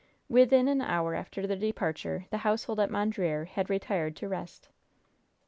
Within an hour after their departure the household at Mondreer had retired to rest.